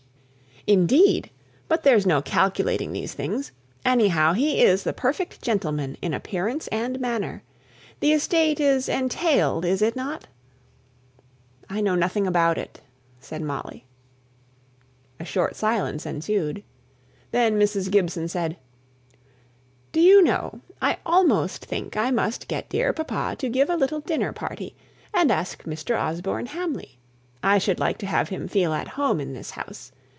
"Indeed! But there's no calculating these things. Anyhow, he is the perfect gentleman in appearance and manner. The estate is entailed, is it not?" "I know nothing about it," said Molly. A short silence ensued. Then Mrs. Gibson said, "Do you know, I almost think I must get dear papa to give a little dinner party, and ask Mr. Osborne Hamley? I should like to have him feel at home in this house.